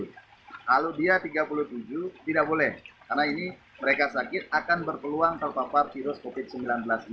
kalau dia tiga puluh tujuh tidak boleh karena ini mereka sakit akan berpeluang terpapar virus covid sembilan belas ini